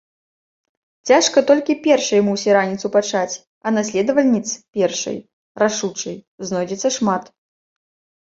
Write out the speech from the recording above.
Цяжка толькі першай мусе раніцу пачаць, а наследавальніц першай, рашучай, знойдзецца шмат.